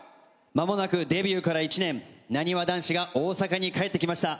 間もなくデビューから１年なにわ男子が大阪に帰ってきました。